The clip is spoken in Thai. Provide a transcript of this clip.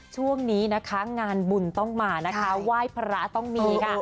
ช่วงนี้นะคะงานบุญต้องมานะคะไหว้พระต้องมีค่ะ